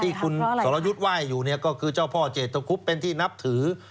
ที่คุณสรยุทธ์ไหว้อยู่เนี่ยก็คือเจ้าพ่อเจตคุบเป็นที่นับถือ